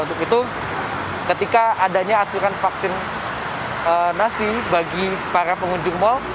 untuk itu ketika adanya aturan vaksinasi bagi para pengunjung mal